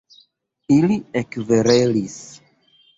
Ili ekkverelis.